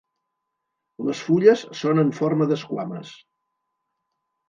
Les fulles són en forma d'esquames.